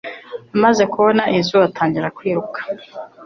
Amaze kubona inzu atangira kwiruka